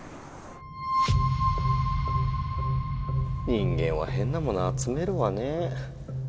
人間はへんなものあつめるわね。